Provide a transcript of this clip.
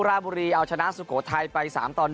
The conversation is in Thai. ราบุรีเอาชนะสุโขทัยไป๓ต่อ๑